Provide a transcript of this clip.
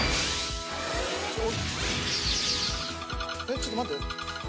ちょっと待って。